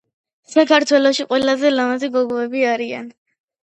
საქართველოში ყველაზე ლამაზი გოგოები არიან